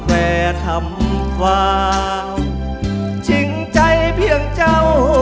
แต่ทำความจริงใจเพียงเจ้า